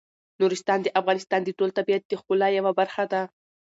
نورستان د افغانستان د ټول طبیعت د ښکلا یوه برخه ده.